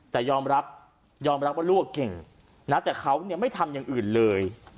แต่ยอมรับยอมรับว่าลูกเก่งนะแต่เขาไม่ทำอย่างอื่นเลย